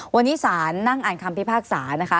วันนี้ศาลนั่งอ่านคำพิพากษานะคะ